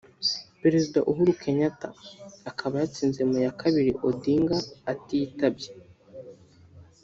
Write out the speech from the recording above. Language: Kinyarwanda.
Prezida Uhuru Kenyatta akaba yatsinze mu ya kabiri Odinga atitabye